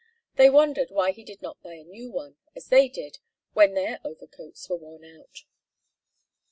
They wondered why he did not buy a new one, as they did, when their overcoats were worn out.